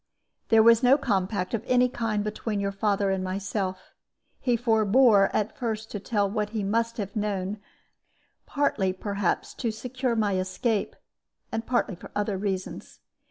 "There was no compact of any kind between your father and myself. He forbore at first to tell what he must have known, partly, perhaps, to secure my escape, and partly for other reasons.